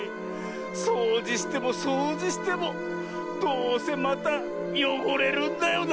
そうじしてもそうじしてもどうせまたよごれるんだよな。